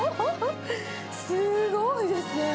すごいですね。